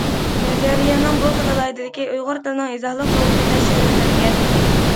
نەزەرىيەنىڭ بۇ خىل ئالاھىدىلىكى« ئۇيغۇر تىلىنىڭ ئىزاھلىق لۇغىتى» دە شەرھلەنگەن.